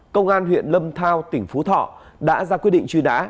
công an huyện lâm thao tỉnh phú thọ đã ra quyết định truy nã